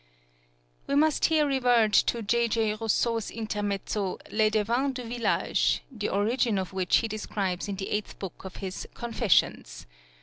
We must here revert to J. J. Rousseau's intermezzo, "Le Devin du Village," the origin of which he describes in the eighth book of his "Confessions."